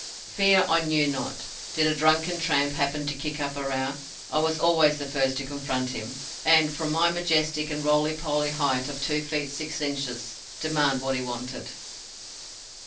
Fear I knew not. Did a drunken tramp happen to kick up a row, I was always the first to confront him, and, from my majestic and roly poly height of two feet six inches, demand what he wanted.